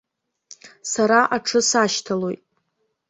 Сара аҽы сашьҭалоит.